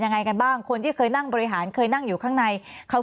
ยังไงกันบ้างคนที่เคยนั่งบริหารเคยนั่งอยู่ข้างในเขา